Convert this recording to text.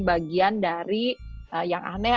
bagian dari yang aneh